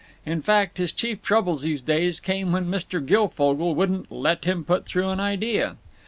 In fact, his chief troubles these days came when Mr. Guilfogle wouldn't "let him put through an idea."